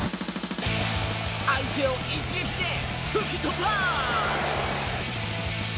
相手を一撃で吹き飛ばす！